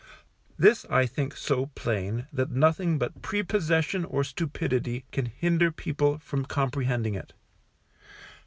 This I think so plain that nothing but prepossession or stupidity can hinder people from comprehending it.